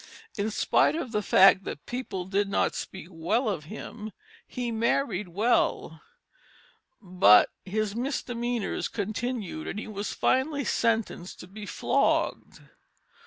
In spite of the fact that "people did not speak well of him," he married well. But his misdemeanors continued and he was finally sentenced to be flogged.